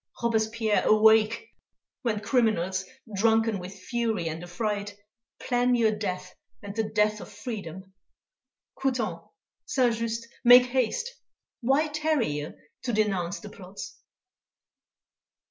Robespierre, awake; when criminals, drunken with fury and affright, plan your death and the death of freedom! Couthon, Saint Just, make haste; why tarry ye to denounce the plots?